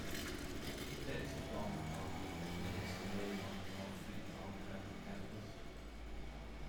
There is a dormitory with his name on the Northfield Mount Hermon campus.